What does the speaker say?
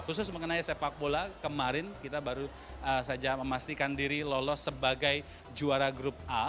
khusus mengenai sepak bola kemarin kita baru saja memastikan diri lolos sebagai juara grup a